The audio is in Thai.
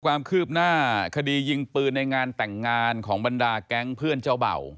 ความคืบหน้าคดียิงปืนในงานแต่งงานของบรรดาแก๊งเพื่อนเจ้าเบ่า